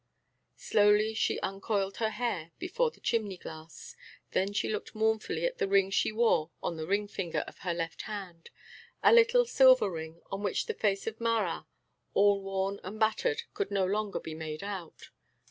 Slowly she uncoiled her hair before the chimney glass; then she looked mournfully at the ring she wore on the ring finger of her left hand, a little silver ring on which the face of Marat, all worn and battered, could no longer be made out.